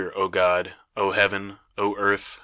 O God! O heaven! O earth!